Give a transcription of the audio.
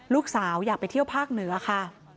ลูกสาวอยากไปเที่ยวภาคเหนือค่ะ